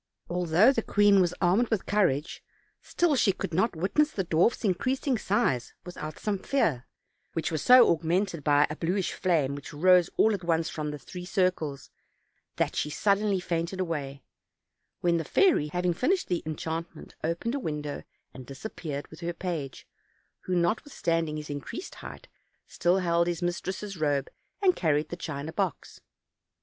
Although the queen was armed with courage, still she could not witness the dwarf's increasing size without some fear; which was so augmented by a bluish flame which rose all at once from the three circles, that she suddenly fainted away; when the fairy, having finished the enchantment, opened a window and disappeared with her page, who, notwithstanding his increased height, still held his mis tress' robe and carried the china box.